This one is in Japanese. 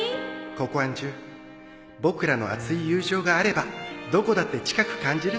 ココアンジュ僕らの厚い友情があればどこだって近く感じるさ